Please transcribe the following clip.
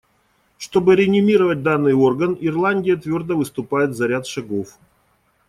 Чтобы реанимировать данный орган, Ирландия твердо выступает за ряд шагов.